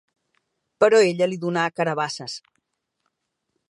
Però ella li dóna carabasses.